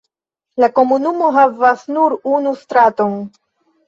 La komunumo havas nur unu straton.